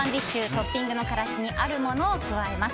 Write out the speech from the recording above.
トッピングの辛子にあるものを加えます。